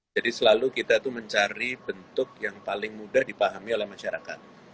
selalu kita itu mencari bentuk yang paling mudah dipahami oleh masyarakat